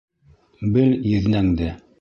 Бел еҙнәңде!